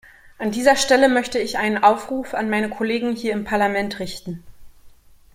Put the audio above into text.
An dieser Stelle möchte ich einen Aufruf an meine Kollegen hier im Parlament richten.